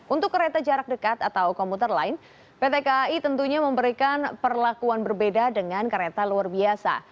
untuk kereta jarak dekat atau komuter lain pt kai tentunya memberikan perlakuan berbeda dengan kereta luar biasa